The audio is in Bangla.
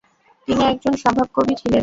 তিনি একজন স্বভাবকবি ছিলেন।